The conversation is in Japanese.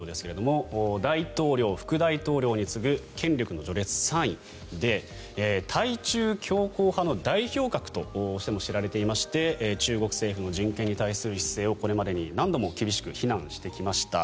ペロシ議長ですが大統領、副大統領に次ぐ権力の序列３位で対中強硬派の代表格としても知られていまして中国政府の人権に対する姿勢をこれまでに何度も厳しく非難してきました。